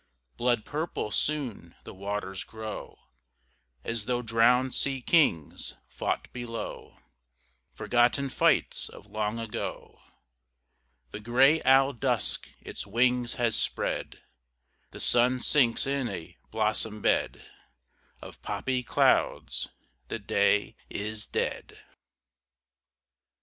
Blood purple soon the waters grow, As though drowned sea kings fought below Forgotten fights of long ago. The gray owl Dusk its wings has spread ; The sun sinks in a blossom bed Of poppy clouds ; the day is dead.